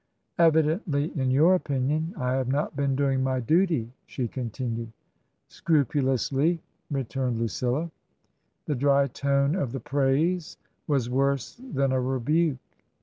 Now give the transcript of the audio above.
" Evidently, in your opinion, I have not been doing my duty," she continued. " Scrupulously," returned Lucilla. The dry tone of the praise was worse than a rebuke.